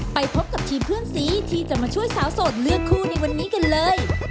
ไปพบกับทีมเพื่อนสีที่จะมาช่วยสาวโสดเลือกคู่ในวันนี้กันเลย